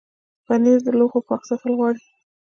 پنېر د لوښو پاک ساتل غواړي.